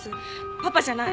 パパじゃない。